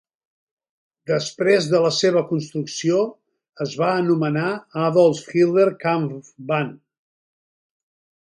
Després de la seva construcció, es va anomenar "Adolf-Hitler-Kampfbahn".